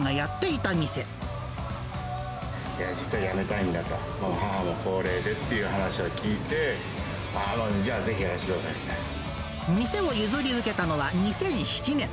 いや、実は辞めたいんだと、もう母も高齢でって話を聞いて、じゃあ、ぜひやらせてくださいみ店を譲り受けたのは２００７年。